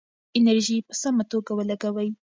انرژي په سمه توګه ولګوئ.